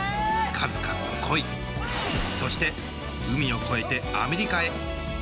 数々の恋そして海を越えてアメリカへ。